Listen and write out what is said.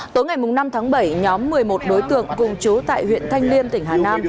tối ngày năm tháng bảy nhóm một mươi một đối tượng cùng chú tại huyện thanh liêm tỉnh hà nam